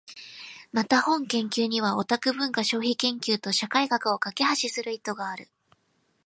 また、本研究にはオタク文化消費研究と社会学を架橋する意図がある。